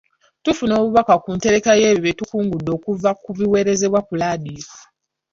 Tufuna obubaka ku ntereka y'ebyo bye tukungudde okuva ku biweerezebwa ku laadiyo.